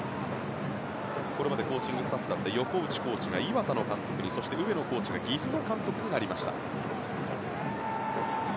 これまでコーチングスタッフだった横内コーチが磐田の監督にそして上野コーチが岐阜の監督になりました。